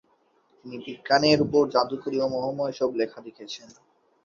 তিনি বিজ্ঞানের ওপর জাদুকরী ও মোহময় সব লেখা লিখেছেন।